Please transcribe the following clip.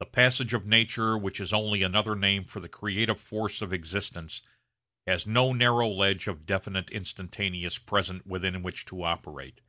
The passage of nature which is only another name for the creative force of existence has no narrow ledge of definite instantaneous present within which to operate.